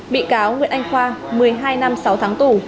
bị cáo nguyễn anh khoa một mươi hai năm sáu tháng tù